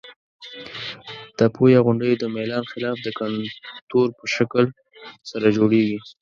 تپو یا غونډیو د میلان خلاف د کنتور په شکل سره جوړیږي.